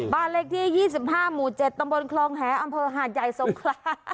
บ้านเลขที่๒๕หมู่๗ตำบลคลองแหอำเภอหาดใหญ่สงครา